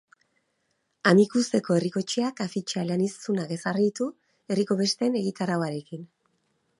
Amikuzeko Herriko Etxeak afitxa eleaniztunak ezarri ditu herriko besten egitarauarekin.